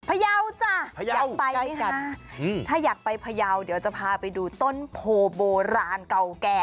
พยาวจ้ะอยากไปไหมจ้ะถ้าอยากไปพยาวเดี๋ยวจะพาไปดูต้นโพโบราณเก่าแก่